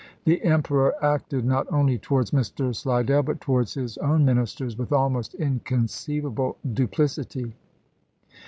The Emperor acted, not only towards Mr. Slidell but towards his own ministers, with almost inconceivable duplicity.